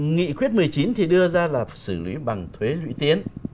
nghị quyết một mươi chín thì đưa ra là xử lý bằng thuế lũy tiến